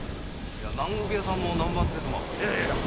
南国屋さんも南蛮手妻を。